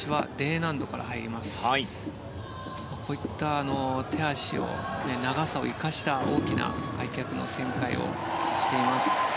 こういった手足の長さを生かした大きな開脚の旋回をしています。